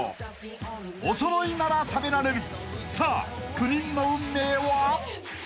［おそろいなら食べられるさあ９人の運命は？］